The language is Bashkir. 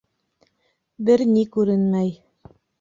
Бер ни күренмәй.